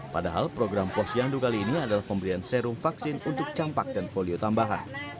padahal program posyandu kali ini adalah pemberian serum vaksin untuk campak dan folio tambahan